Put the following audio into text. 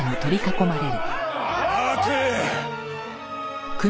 待て。